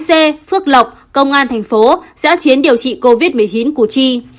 c phước lộc công an thành phố giã chiến điều trị covid một mươi chín củ chi